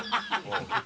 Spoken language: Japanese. ハハハハ。